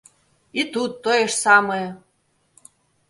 І тут тое ж самае.